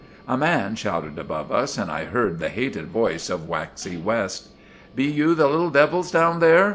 A man shouted above us and I heard the hated voice of Waxy West. "Be you little devils down there?"